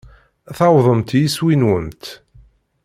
Tuwḍemt s iswi-nwent.